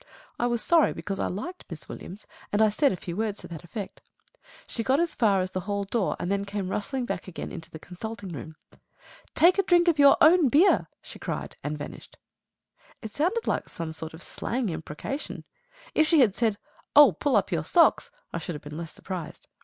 I was sorry, because I liked Miss Williams, and I said a few words to that effect. She got as far as the hall door, and then came rustling back again into the consulting room. "Take a drink of your own beer!" she cried, and vanished. It sounded like some sort of slang imprecation. If she had said "Oh, pull up your socks!" I should have been less surprised.